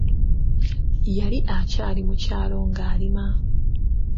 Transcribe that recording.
Yali akyali mu kyalo nga alima..